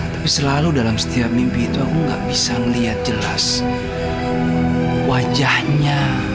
tapi selalu dalam setiap mimpi itu aku gak bisa melihat jelas wajahnya